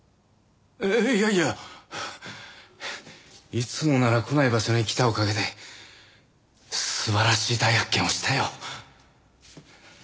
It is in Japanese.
いつもなら来ない場所に来たおかげで素晴らしい大発見をしたよ。